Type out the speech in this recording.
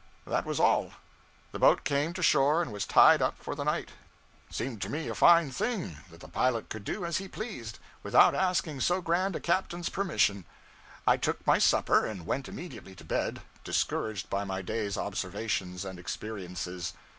That was all. The boat came to shore and was tied up for the night. It seemed to me a fine thing that the pilot could do as he pleased, without asking so grand a captain's permission. I took my supper and went immediately to bed, discouraged by my day's observations and experiences.